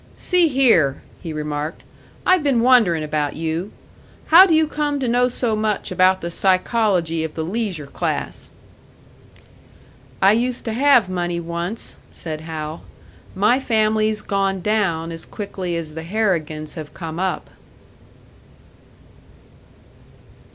"See here," he remarked, "I've been wondering about you. How do you come to know so much about the psychology of the leisure class?" "I used to have money once," said Hal. "My family's gone down as quickly as the Harrigans have come up."